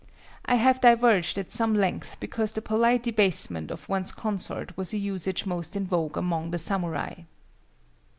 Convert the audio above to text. I have diverged at some length because the polite debasement of one's consort was a usage most in vogue among the samurai.